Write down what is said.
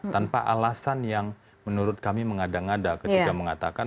tanpa alasan yang menurut kami mengada ngada ketika mengatakan